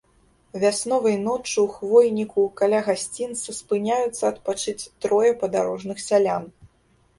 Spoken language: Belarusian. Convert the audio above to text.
Вясновай ноччу ў хвойніку каля гасцінца спыняюцца адпачыць трое падарожных сялян.